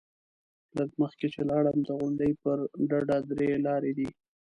لږ مخکې چې لاړم، د غونډۍ پر ډډه درې لارې دي.